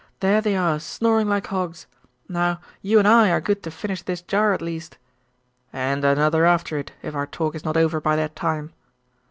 There they are, snoring like hogs. Now, you and I are good to finish this jar, at least.' 'And another after it, if our talk is not over by that time.